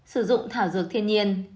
sử dụng thảo dược thiên nhiên